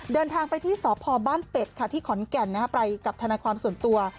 เดินทางไปที่สพบ้านเป็ดค่ะที่ขอนแก่นไปกับทนายความส่วนตัว